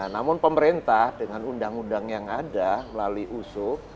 namun pemerintah dengan undang undang yang ada melalui usu